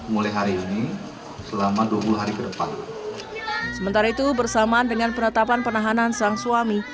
mulai hari ini selama dua puluh hari ke depan sementara itu bersamaan dengan penetapan penahanan sang suami